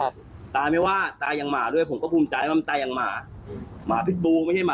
คนมันโป้งคนมีความศักดิ์ศรีไม่ใช่เป็นโรงข่าวน่องท่าผ่าน่องบอกครับ